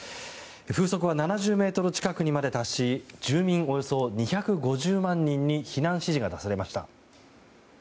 風速は７０メートル近くにまで達し、住民およそ２５０万人に避難指示が出されました。